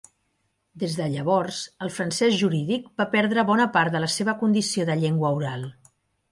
Des de llavors, el francès jurídic va perdre bona part de la seva condició de llengua oral.